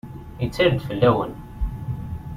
Yettal-d fell-awen!